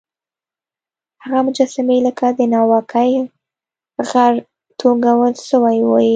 هغه مجسمې لکه د ناوکۍ غر توږل سوی وې.